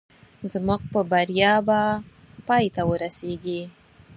زموږ په بریا به پای ته ورسېږي